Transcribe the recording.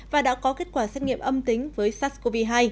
và đã có kết quả xét nghiệm âm tính với sars cov hai